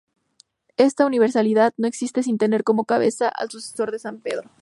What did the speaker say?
Esta universalidad no existe sin tener como cabeza al sucesor de San Pedro.